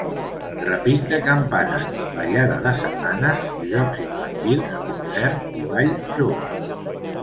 Repic de campanes, ballada de sardanes, jocs infantils, concert i ball jove.